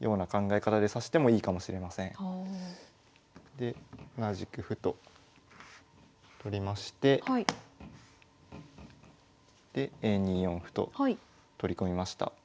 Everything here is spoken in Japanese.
で同じく歩と取りましてで２四歩と取り込みました。